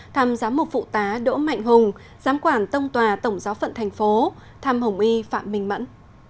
thăm giám mục phụ tá đỗ mạnh hùng giám quản tông tòa tổng giáo phận thành phố thăm hồng y phạm minh mẫn